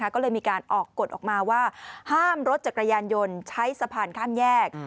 ก็เลยมีการออกกฎออกมาว่าห้ามรถจักรยานยนต์ใช้สะพานข้ามแยก